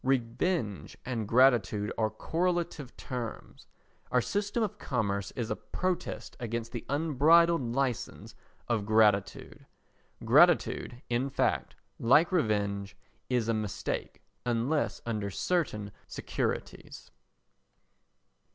Revenge and gratitude are correlative terms. Our system of commerce is a protest against the unbridled licence of gratitude. Gratitude, in fact, like revenge, is a mistake unless under certain securities.